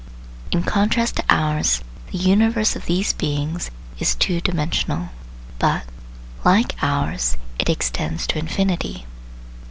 In contrast to ours, the universe of these beings is two dimensional; but, like ours, it extends to infinity.